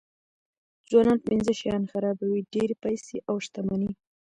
ځوانان پنځه شیان خرابوي ډېرې پیسې او شتمني.